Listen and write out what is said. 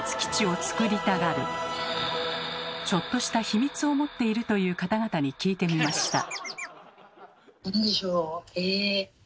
ちょっとした秘密を持っているという方々に聞いてみました。